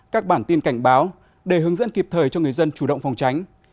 các bản tin cảnh báo để hướng dẫn kịp thời cho người dân chủ động phòng tránh